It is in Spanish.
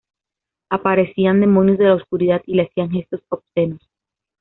Aparecían demonios de la oscuridad y le hacían gestos obscenos.